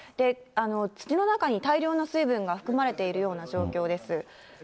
土の中に大量の水分が含まれているような状況です。